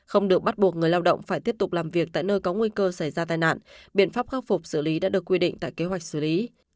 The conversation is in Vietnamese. không được bắt buộc người lao động phải tiếp tục làm việc tại nơi có nguy cơ xảy ra tai nạn biện pháp khắc phục xử lý đã được quy định tại kế hoạch xử lý